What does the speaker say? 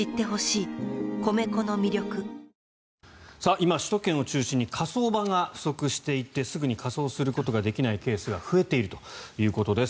今、首都圏を中心に火葬場が不足していてすぐに火葬することができないケースが増えているということです。